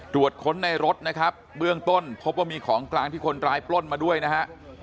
ตรวจค้นในรถนะครับเบื้องต้นพบว่ามีของกลางที่คนร้ายปล้นมาด้วยนะฮะ